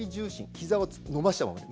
ひざを伸ばしたままで。